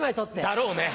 だろうね。